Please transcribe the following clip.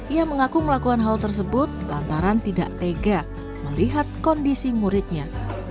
ia mengaku melakukan hal tersebut lantaran tidak tega melihat kondisi muridnya